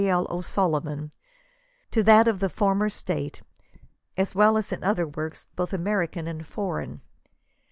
L. O'SuI livan to that of the former State ; as well as in other works, both American and foreign.